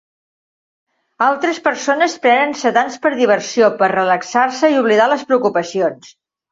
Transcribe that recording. Altres persones prenen sedants per diversió per relaxar-se i oblidar les preocupacions.